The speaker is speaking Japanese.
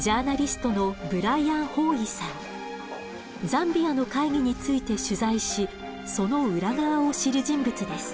ザンビアの会議について取材しその裏側を知る人物です。